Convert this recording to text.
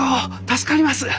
助かります。